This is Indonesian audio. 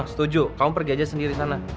setuju kamu pergi aja sendiri sana